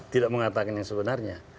tidak mengatakan yang sebenarnya